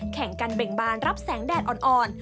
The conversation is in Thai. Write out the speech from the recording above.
แข่งกันเบ่งบานรับแสงแดดอ่อน